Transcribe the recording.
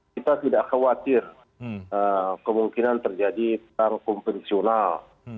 kita tidak khawatir kemungkinan terjadi perang konvensional